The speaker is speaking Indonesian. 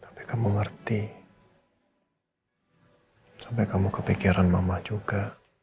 tapi kamu ngerti sampai kamu kepikiran mama juga